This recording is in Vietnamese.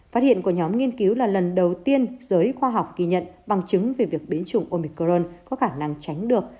phát hiện của nhóm nghiên cứu là lần đầu tiên giới khoa học ghi nhận bằng chứng về việc biến chủng omicron có khả năng tránh được